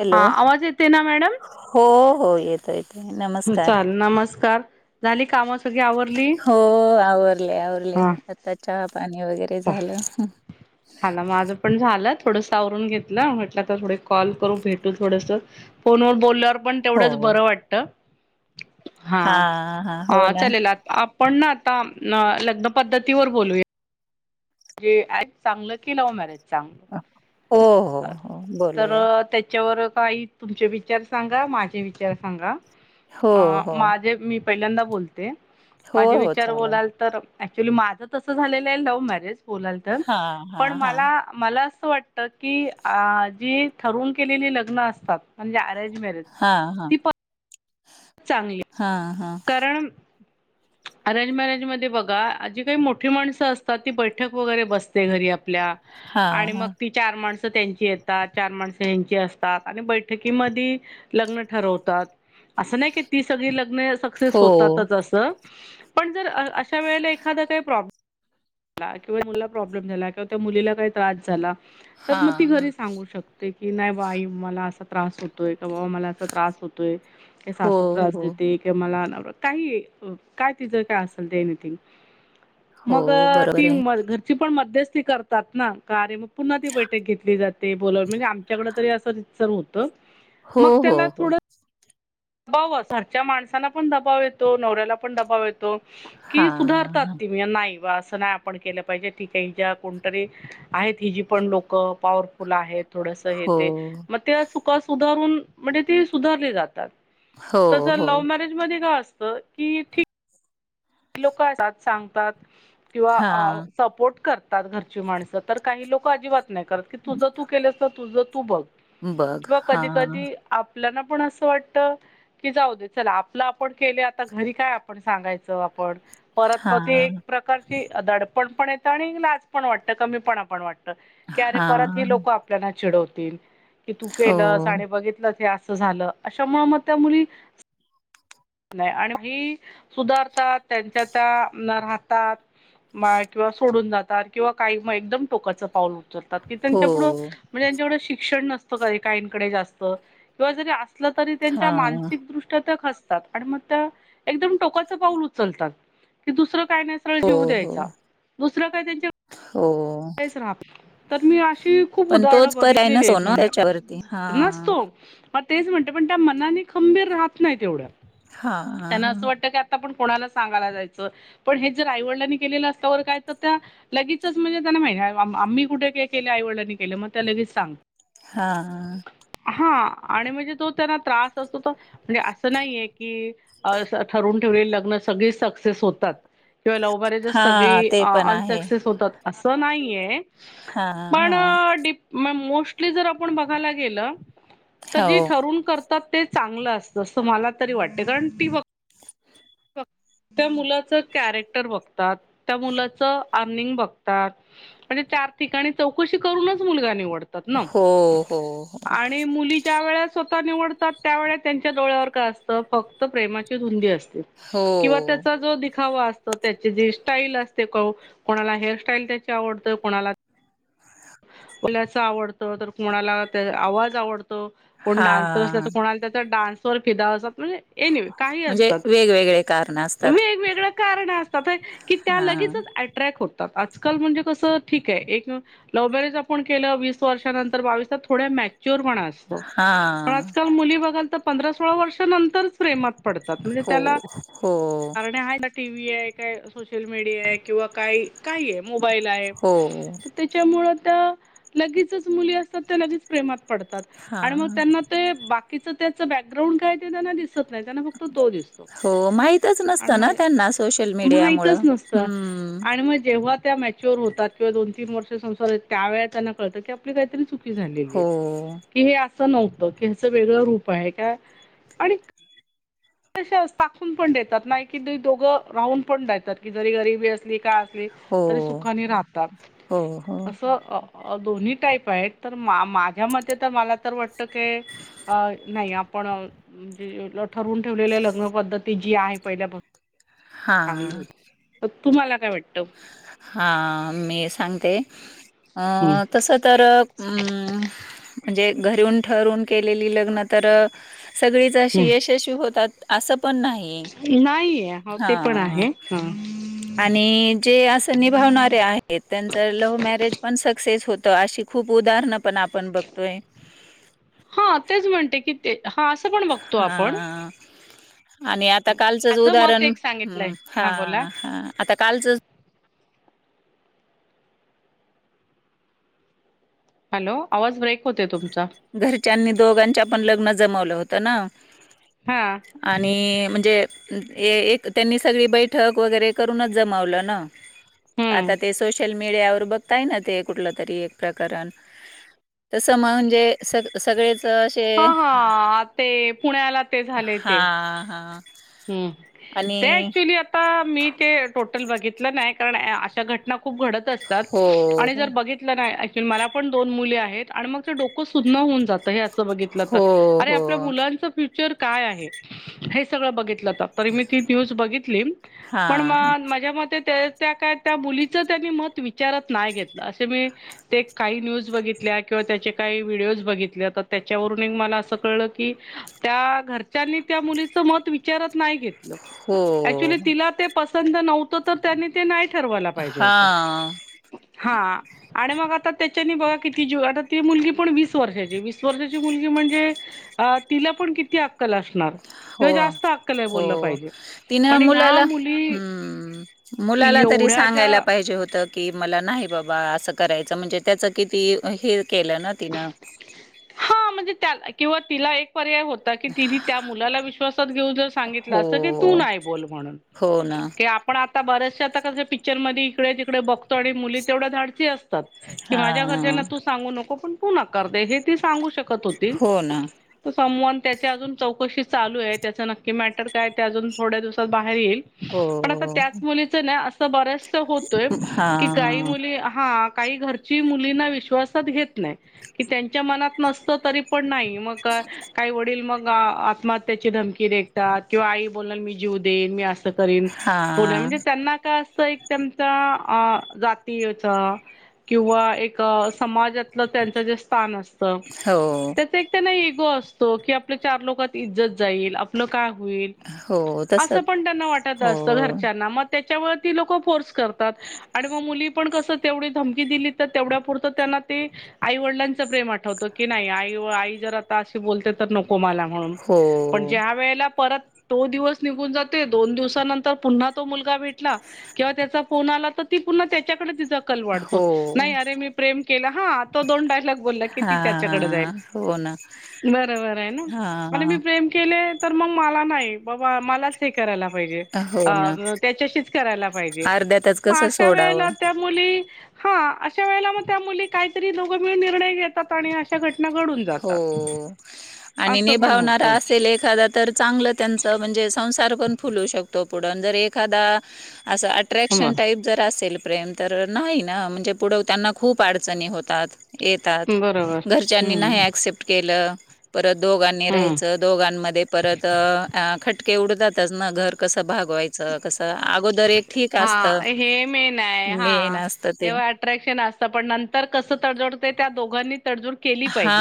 Hello हा आवाज येते ना मॅडम. हो हो येतो येतय नमस्कार. चाल नमस्कार झाली कामं सगळी आवरली हो आवरले आवरले हा आता चहा पाणी वगैरे झालं. झाला माझं पण झालं थोडस आवरून घेतलं म्हटलं तर थोडे कॉल करू भेटू थोडस. फोनवर बोल्यावर पण तेवढंच हो बरं वाटत. हा हा ह हो ना चलेल आपण न आता लग्न पद्धतीवर बोलूया. म्हणजे ज चांगलं की लव्ह मॅरेज चांग हो हो हो बोलूयात तर त्याच्यावर काही तुमचे विचार सांगा माझे विचार सांगा. हो अ हो माझे मी पहिल्यांदा बोलते हो माझे हो विचार चालेल बोलाल तर ऍक्च्युली माझं तसं झालेलं आहे लव्ह मॅरेज बोलाल तर हा हा पण हा मला मला असं वाटत. की जी ठरून केलेली लग्न असतात म्हणजे अरेंज मॅरेज हा हा ती पण चांगली हा हा इनऑडिबल अरेंज मॅरेज मध्ये बघा जी काही मोठी माणसं असतात ती बैठक वगैरे बसते घरी आपल्या. हा आणि मग हा ति चार माणसं त्यांची येतात चार माणसं ह्यांची असतात आणि बैठकीमधि लग्न ठरवतात असं नाही की ती सगळी लग्न क्सेस हो होतातच अस पण जर अश्या वेळेला एखादा काही प्रॉब् वा प्रॉब्लेम झाला किवा त्या मुलीला काही त्रास झाला तर हा मग ती घरी हा सांगू शक ते की नाही बा आई मला असं त्रास होतोय का बाबा मला असा त्रास होतोय का हो सासू त्रास हो देते. ते मला काही काय तिचं काय असेल ते एनथिंग हो मगं बरोबर आहे घरची पण मध्यस्थी करतात ना कार्य पुन्हा ती बैठक घेतली जाते बोल म्हणजे आमच्याकडं तरी असं रचर हो त हो मग हो त्यांना हो थोड बाव घरच्या माणसाला पण दबाव येतो नवऱ्याला पण दबाव येतो. हा कि सुधारतात ती नाही बा असं नाही पण केल पाहिजे ठीके ज्या कोणतरी आहेत हि जी पण लोक पॉवरफुल आहेत थोडस. हो ते मग त्या चुका सुधारून म्हणजे ते सुधारले जातात हो तस हो लव्ह मॅरेज मध्ये काय असत की ठी लोक एतात, सांगतात, किंवा हा अंऽ सपोर्ट करतात घरची माणसं, तर काही लोकं अजिबात नाही करत, की तुझं तू केलंस तर तुझं तू बघ. बघ वा हा कधी कधी. आपल्याला पण असं वाटत की जाऊ दे चला आपलं आपण केले आता घरी काय आपण सांगाय च आपण परत हा प ते प्रकार. दडपण पण येत आणि लाज पण वाटत कमी पण पण वाटत की अरे हा परत ही लोक ल्याला चिडवतील की तू हो, केलंस आणि बघितलं ते असं झालं. अशामुळे म त्या मुली नाही,, आणि ही,, सुधारतात, त्यांच्या त्या राहतात. म किंवा सोडून जातात, किंवा काही, मग एकदम टोकाचं पाऊलत. तात की हो. त्यांच्या पुढं, म्हणजे त्यांच्या शिक्षण नसतं काहींकडे जास्त, किंवा जरी असऽ तरी त्यांच्या हां. मानसिक दृष्ट्या तेऽ मग त्या एकदम टोकाच पाऊल उचलतात,, की दुसर काय नाय हो, ऽ व हो, द्यायचा, दुस काय त्यांऽ हो,, राहात नै,, तर मी अशी खूप पण उदाहरण तोच पर्याय बघितलेली नसतो आहेत, ना त्याच्यावरती. म्हणजे हां. नसतो. मग तेच म्हणते, पण त्या मनाने खंबीर राहत नाही तेवढ्या. हां, हां, त्यांना असं वाटतं की आता पण कोणाला सांगाला जायचं. पण हेच जर आईवडलांनी केलेलं असल्यावर काय तर त्याऽ लगेचच म्हणजे त्यांना माहिती, आम्ही कुठे काय केलं, आई वडलांनी केलं, मग त्या लगेच सांगऽ हा, हा,, आणि म्हणजे तो त्यांना त्रास असतो तो,, म्हणजे असं नाहीये कीऽ अस ठरवून ठेवलेले लग्न सगळे सक्सेस होतात. किंवा लवमॅरेज हां, सगळी ते पण आहे. अनसक्सेस होतात,, असं नाही आहे. हां, पण,, हां. डिप मोस्टली जर आपण बघायला गेलं. तर जे हो. ठरून करतात ते चांगलं असतं, अस मला तरी वाटतं, कारण ती बऽ त्या मुलाच कॅरेक्टर बघतात,, त्या मुलाच अर्निंग बघतात. म्हणजे चार ठिकाणी चौकशी करूनच मुलगा निवडतात ना. हो, हो, हो. आणि मुली ज्या वेळे स्वतः निवडतात, त्यावेेळे त्यांच्या डोळ्यावर काय असतं, फक्त प्रेमाची धुंदी असते. हो. किंवा त्याचा जो दिखावा असोऽ तो, त्याची जे स्टाईल असते, कोणाला हेअरस्टाईल त्याची आवडते, कोणालाऽ बल्याच आवडत, तर कोणाला त्या आवाज आवडतोऽ तो, कोण डान्सर असला, हां. तर कोणाला त्या डान्स वर फिदा, असतात, म्हणजेऽ एनिवे, काही म्हणजे असतात, वेगवेगळे कारण असतात. वेगवेगळ्याऽ कारण असतात की,, त्या लगेच हां, अट्रॅक्ट होतात, आजकाल म्हणजे कसं,, ठीक आहे, एकऽ लव्ह मॅरेज आपण केलं, वीस वर्षानंतर बावीसला थोडे्या मॅच्युर होनार. पण हां. आजकाल मुली बघाल तर पंधरा सोळा वर्षानंतरऽ प्रेमात पडतात,, म्हणजे हो, त्याला,, हो, कारनेऽ टी व्ही आहे, काय सोशल मीडिया आहे, किंवा काही, काही आहे, मोबाईल आहे, हो,, मुळ तर लगेचच मुली असतात, त्या लगेच प्रेमात पडतात, आणि हां. त्यांऽ ते बाकीच त्याच बॅकग्राउंड काय ते त्यांना दिऽ दिसतं नाही, फक्त तो दिसतो, हो, माहीतच नसतं ना आणि त्यांना सोशल माहीत मीडियामुळं. चं नसत. हं. आणि मग जेव्हा त्याऽ होतात, किंवा दोन तीन वर्ष संसार, त्या वेळी त्यांना कळत, की आपली काहीतरी चुकी झालेली हो, आहे. कि हे असं नव्हतं, की हाचं वेगळं रूप आहे, का आणिऽ टाखून पण देतात, नाही कि दोघं, राहून पण देतात, की जरी गरीबी असली, काय असली. हो, तरी सुखाने राहतात,, हो, हो. असं. अ दोन्ही टाईप आहेत, तर माझ्या मते तर, मला तर वाटत कीऽ अ, नाही, आपण ठरवून ठेवलेल्या लग्न पद्धती जी आहे,, पहिल्यापासूनऽ चांगली हां होती तुम्हाला काय वाटतं हा मी सांगते अ हं. तस तर अम् म्हणजे घरीून ठरून केलेली लग्न तर सगळीच अशी यशस्वी होतात, असं पण नाही. नाहीेय,, हा,, ते पण आहे,, ह, आणिऽ जे,, असं निभावणारे आहेत, त्यांचं लव्ह मॅरेज पण सक्सेस होतं,, अशी खूप उदाहरणं पण आपण बघतोऽ तोयऽ हा तेच म्हणते की ते हा पण बघतो आपण हा आणि आता कालचंच माझं मत उदाहरण एक सांगितलंय ह् हा बोला हा आता कालचं हॅलो आवाज ब्रेक होते तुमचा घरच्यांनी दोघांच्या पण लग्न जमवलं होतं ना हा आणि म्हणजे एक त्यांनी सगळी बैठक वगैरे करूनच जमावलं ना. हम्म आता ते सोशल मीडयावर बघ ना ते कुठलं तरी एक प्रकरण तस म्हणजे स सगळेच हा असे हा ते पुण्याला ते झाले ते. हां हां ह् ते आणि ऍक्च्युली आता मी ते टोटल बघितलं नाही कारण अशा घटना खूप घडत असतात हो आणि जर हो बघि नाही मला पण दोन मुली आहेत आणि मग ते डोकं सुन्न होऊन जातं हे हो अरे आपल्या हो. मुलांच फ्युचर काय आहे हे सगळं बघितलं तर? तरी मी ती न्यूज बघितली पण हां माझ्या मते त्या काय त्या मुलीच त्यांनी मत विचारत नाही घेतलं असे मी ते काही न्यूज बघितल्या किंवा त्याचे काही व्हिडिओज बघितले तर त्याच्यावरून मला असं कळलं की त्या घरच्यांनी त्या मुलीच मत विचारत नाही घेतलं हो ऍक्च्युली तिला ते पसंत नव्हत तर त्या ते नाही ठरवाला पाहिजे होत हां हा. आणि मग आता त्याच्यानी बघा किती ज आता ती मुलगी पण वीस वर्षाची वीस वर्षाची मुलगी म्हणजे. अ तिला पण किती अक्कल असणार? हो किंवा जास्त अक्कल आहे हो बोललं पाहिजे तिन पण ह्या मुलाला मुली हम्म मुलाला तरी एवढ्या ज्या सांगायला पाहिजे होतं. कि मला नाही बाबा असं करायचं म्हणजे त्याच किती हे केलं ना तिन. हा म्हणजे त्या किंवा तिला एक पर्याय होत कि तिने त्या मुलाला विश्वासात घेऊन जर सांगितलं हो असत की तू नाही बोल म्हणून. हो ना पण आता बऱ्याचशा आता कस पिक्चर इकडे तिकडे बघतो आणि मुली तेवढ्या धाडची असतात. कि माझ्या घरच्यांना हां तू सांगू नको पण तू नकार दे हे ती सांगू शकत होती. हो ना तर समवन त्याच्या अजून चौकशी चालू आहे त्याचं नक्की मॅटर काय ते अजून थोड्या दिवसात बाहेर येईल. हो पण आता त्याच मुलीच नाय असं बरच होतय की काही हां मुली हा काही घरची मुलींना विश्वासात घेत नाही. कि त्यांच्या मनात नसत तरी पण नाही मग काही वडील मग आत्महत्याची धमकी देखतात किंवा आई बोलणार मी जीव देईन मी असं करीन. पुण्या हां म्हणजे त्यांना काय असतं एक त्यांच्या अ जातीचा किंवा एक समाजातलं त्यांच जे स्थान असत हो त्याच त्यांना इगो असतो की आपल्या चार लोकात इज्जत जाईल. काय होईल हो अस तसच पण त्यांना वाटत हो असत घरच्याना म त्याच्यामुळे ती लोक फोर्स करतात. आणि मग मुली पण कसं तेवढी धमकी दिली तर तेवढ्या पुुरतं त्यांना ते आई वडिलांचं प्रेम आठवत की नाही आई आई जर आता बोलते तर नको मला म्हणून हो पण ज्या वेळेला परत तो दिवस निघून जाते दोन दिवसानंतर पुन्हा तो मुलगा भेटला किंवा त्याचा फोन आला तर ती पुन्हा त्याच्याकडे तिचा कल हो वाढतो नाही अरे मी प्रेम केलं हा. दोन डायलॉग बोला की त त्याच्याकडे जाईल हां हो ना बरोबर आहे ना म्हणजे मी हां प्रेम केले तर मग मला नाही बाबा मलाच हे करायला पाहिजे. हो ना त्याच्याशीच कराला पाहिजे अर्ध्यातच मग कसं अशा सोडावं वेळेला त्या ह अशा वेळेला मग त्या मुली काहीतरी दोघ मिळुन निर्णय घेतात आणि घटना घडून जातात हो आणि असं पण होत निभावणारा असेल एखादा तर चांगलं त्यांच म्हणजे संसार पण फुलू शकतो पुढ जर एखादा असं अट्रॅक्शन टाईप जर असेल प्रेम तर नाही ना म्हणजे पुढं त्यांना खूप अडचणी होतात. येतात बरोबर घरच्यांनी हम्म नाही शिप्ट केलं परत दोघांनी हम्म राहायच दोघांमध्ये परत अ आ खट एवढ जातच ना घर कसं भागवायच चं कस अगोदर एक ठीक असत हा हे मेन असत ते अ्रॅक्शन असत पण नंतर कसं तडजडते त्या दोघांनी तडजुड हा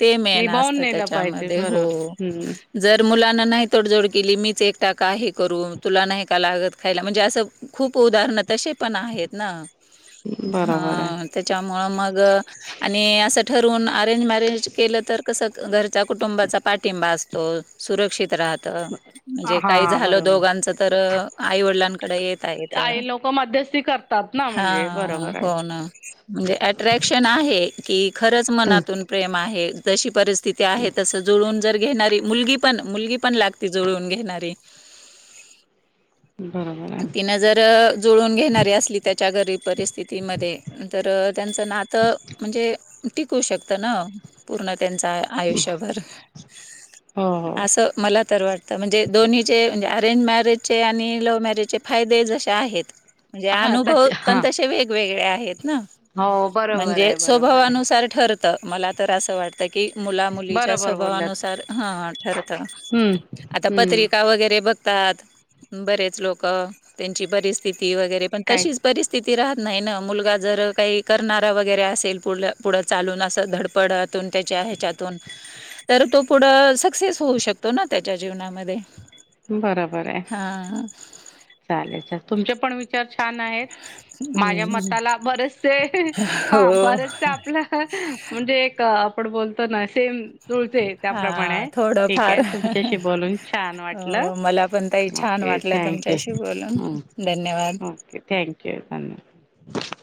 ते मेन असत नेलं पाहिजे त्याच्यामध्ये हो बरोबर हम्म जर मुलांना नाही तोडजोड केली मी च एकटा का हे करू तुला नाही का लागत खायला म्हणजे असं खूप उदाहरण तसे पण आहेत ना बरोबर आहे हा त्याच्यामुळ मग आणि असं ठरवून अरेंज मॅरेज केलं तर कसं घरच्या कुटुंबाचा पाठिंबा असतो सुरक्षित राह त म्हणजे काही हा झालं बरोबर दोघांच तर आईवडिलांकडे येता येत. काही लोक मध्यस्थी करतात ना हा म्हणजे बरोबर हो आहे. ना म्हणजे अट्रॅक्शन आहे की खर चं मनातून प्रेम आहे जशी परिस्थिती आहे तस जुळून जर घेणारी मुलगी पण मुलगी पण लागती जुळून घेणारी बरोबर आहे अनं तीन जर जुळून घेणारी असली त्याच्या गरीब परिस्थितीमध्ये तर त्यांचं नातं म्हणजे टिकू शकत ना पूर्ण त्यांच आयुष्यभर हो हो असं मला तर वाटतं म्हणजे दोन्हीचे म्हणजे अरेंज मॅरेजचे आणि लव्ह मॅरेजचे फायदे जसेे आहेत म्हणजे हा अनुभव तश हा पण तसे वेगवेगळे आहेत ना हो बरोबर म्हणजे आहे बरोबर स्वभावानुस आहे तर ठरत मला तर अस वाटतय. की मुला मुलीच्या बरोबर बोललात स्वभावानुसार हं ठरत हम्म आता हम्म पत्रिका वगैरे बघ तात बरेच लोक त्यांची बरीस्थिती वगैरे पण काय तशीच परिस्थिती राहत नाही ना मुलगा जर काही करणारा वगैरे असेल पुढल पुढं चालून असं धडपडतून त्याच्या ह्याच्यातून तर तो पुढं सक्सेस होऊ शकतो ना त्याच्या जीवनामध्ये. बरोबर आहे हा चालेल चल तुमचे पण विचार छान आहेत. माझ्या हम्म मताला बरेचसे हा हो बरचसे आपलं म्हणजे एक आपण बोलतो ना सेम जुळते. हा त्याप्रमाणे थोडं फार ठीकये तुमच्याशी बोलून छान वाट हो मला पण ताई छान वाटलं यू. तुमच्याशी बोलून हम्म धन्यवाद. ओके थँक्यू धन्यवाद.